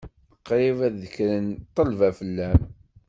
Qrib ad ddekren ṭṭelba fell-am.